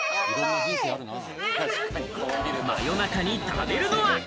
真夜中に食べるのは？